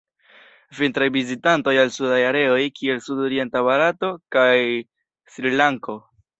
Vintraj vizitantoj al sudaj areoj kiel sudorienta Barato kaj Srilanko.